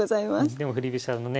でも振り飛車のね